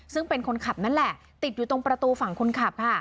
ซึ่งเป็นคนขับนั่นแหละติดอยู่ตรงประตูฝั่งคนขับค่ะ